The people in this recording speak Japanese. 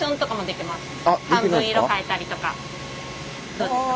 どうですか？